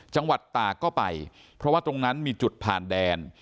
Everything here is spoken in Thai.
จังหวัดตากก็ไปเพราะว่าตรงนั้นมีจุดผ่านแดน